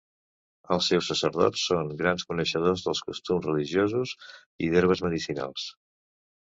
Els seus sacerdots són grans coneixedors dels costums religiosos i d'herbes medicinals.